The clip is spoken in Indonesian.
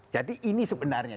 jadi ini sebenarnya